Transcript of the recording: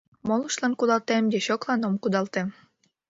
Молыштлан кудалтем, дьячоклан ом кудалте.